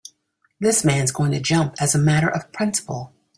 This man's going to jump as a matter of principle.